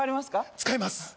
使います